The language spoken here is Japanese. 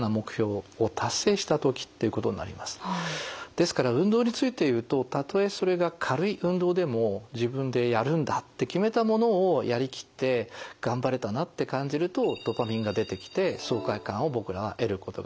ですから運動についていうとたとえそれが軽い運動でも自分でやるんだって決めたものをやりきって頑張れたなって感じるとドパミンが出てきて爽快感を僕らは得ることができてる。